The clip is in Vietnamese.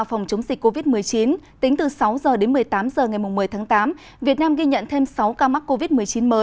phòng chống dịch covid một mươi chín tính từ sáu h đến một mươi tám h ngày một mươi tháng tám việt nam ghi nhận thêm sáu ca mắc covid một mươi chín mới